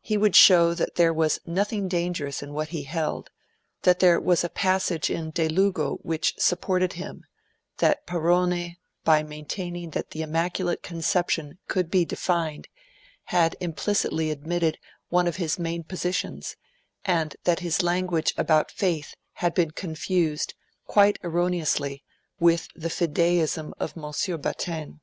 He would show that there was nothing dangerous in what he held, that there was a passage in De Lugo which supported him that Perrone, by maintaining that the Immaculate Conception could be defined, had implicitly admitted one of his main positions, and that his language about Faith had been confused, quite erroneously, with the fideism of M. Bautain.